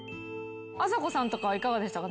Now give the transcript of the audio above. あさこさんとかはいかがでしたか？